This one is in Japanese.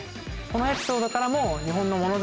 このエピソードからも。